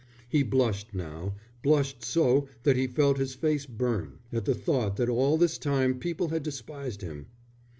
He blushed now, blushed so that he felt his face burn, at the thought that all this time people had despised him.